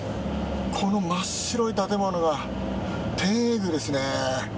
この真っ白い建物が天苑宮ですね。